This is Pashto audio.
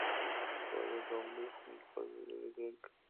زه د اوکاډو خوند لرونکي سپک خواړه خوړم.